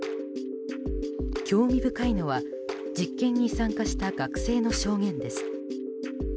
興味深いのは実験に参加した学生の証言です。